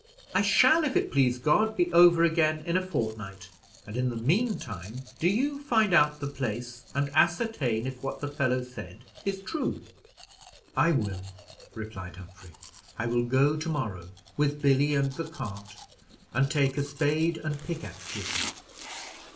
I shall, if it please God, be over again in a fortnight, and in the mean time, do you find out the place, and ascertain if what the fellow said is true." "I will," replied Humphrey. "I will go to morrow, with Billy and the cart, and take a spade and pickax with me.